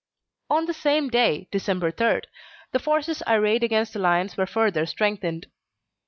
On the same day, December 3, the forces arrayed against the lions were further strengthened.